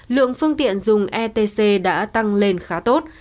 lượng phương tiện dùng etc đã tăng lên khá tốt